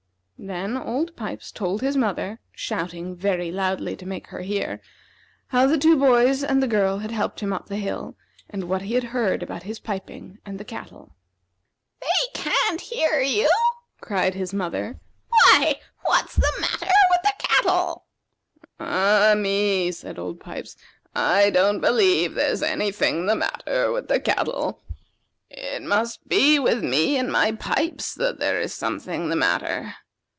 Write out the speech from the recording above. Then Old Pipes told his mother, shouting very loudly to make her hear, how the two boys and the girl had helped him up the hill, and what he had heard about his piping and the cattle. "They can't hear you?" cried his mother. "Why, what's the matter with the cattle?" "Ah, me!" said Old Pipes; "I don't believe there's any thing the matter with the cattle. It must be with me and my pipes that there is something the matter.